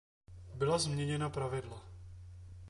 Byla změněna pravidla.